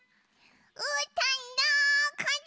うーたんどこだ？